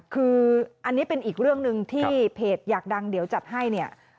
คืออันนี้เป็นอีกเรื่องหนึ่งที่เพจอยากดังเดี๋ยวจัดให้เนี่ย